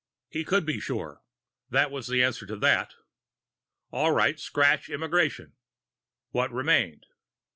He could be sure that was the answer to that. All right, scratch migration. What remained?